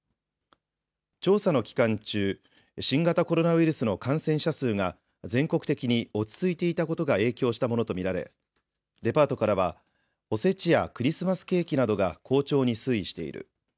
調査の期間中、新型コロナウイルスの感染者数が全国的に落ち着いていたことが影響したものと見られデパートからはおせちやクリスマスケーキなどが好調に推移している。